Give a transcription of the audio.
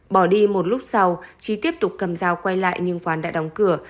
bỏ đi một lúc sau trí tiếp tục cầm dao quay lại nhưng quán đã đóng cửa